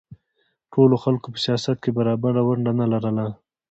ټولو خلکو په سیاست کې برابره ونډه نه لرله